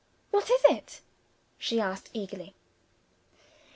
"What is it?" she asked eagerly.